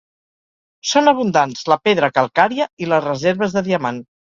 Són abundants la pedra calcària i les reserves de diamant.